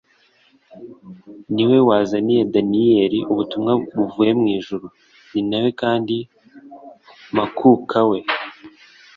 ni we wazaniye Danieli ubutumwa buvuye mu ijuru. Ni nawe kandi "makuka we,"